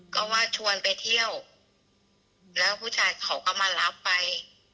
ก็ว่าชวนไปเที่ยวแล้วผู้ชายเขาก็มารับไป